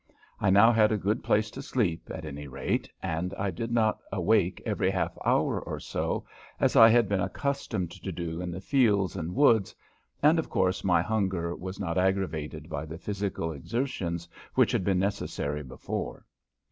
I now had a good place to sleep, at any rate, and I did not awake every half hour or so as I had been accustomed to do in the fields and woods, and, of course, my hunger was not aggravated by the physical exertions which had been necessary before.